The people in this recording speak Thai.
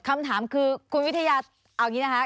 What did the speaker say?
คำถามคือคุณวิทยาเอาอย่างนี้นะคะ